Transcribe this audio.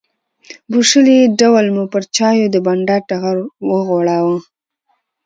بوشلې ډول مو پر چایو د بانډار ټغر وغوړاوه.